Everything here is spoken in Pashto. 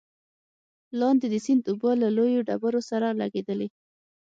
لاندې د سيند اوبه له لويو ډبرو سره لګېدلې،